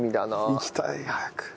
行きたい早く。